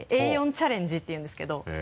「Ａ４チャレンジ」っていうんですけど。